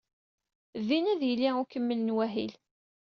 Din ad d-yili ukemmel n wahil.